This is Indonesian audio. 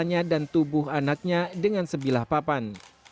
sn memukul kepala dan tubuh anaknya dengan sebilah papan